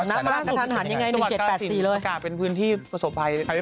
ยังไง๑๗๘๔หรือเป็นที่ประสบภัย